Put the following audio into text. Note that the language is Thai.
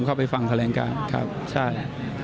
เข้าไปฟังแถลงการครับใช่